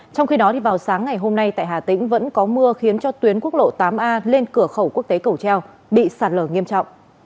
trong khi đó vào sáng ngày hôm nay tại hà tĩnh vẫn có mưa khiến cho tuyến quốc lộ tám a lên cửa khẩu quốc tế cầu treo bị sạt lở nghiêm trọng